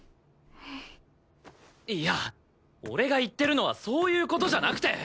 いや俺が言ってるのはそういう事じゃなくて！